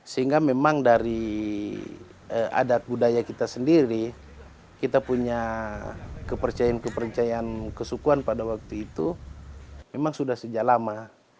sehingga memang dari adat budaya kita sendiri kita punya kepercayaan kepercayaan kesukuan pada waktu itu memang sudah sejak lama